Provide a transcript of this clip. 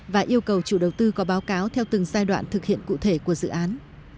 và yêu cầu chủ đầu tư có báo cáo theo từng giai đoạn thực hiện cụ thể của dự án